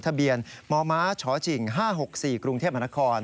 ทะเบียนมมชจิ๕๖๔กรุงเทพมหานคร